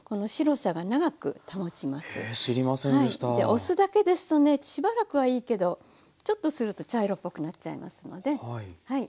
お酢だけですとねしばらくはいいけどちょっとすると茶色っぽくなっちゃいますのではい。